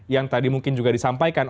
yang tadi mungkin juga disampaikan